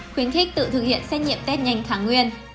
khuyến khích tự thực hiện xét nghiệm tết nhanh tháng nguyên